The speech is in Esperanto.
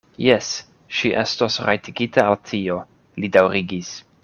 Jes, ŝi estos rajtigita al tio, li daŭrigis.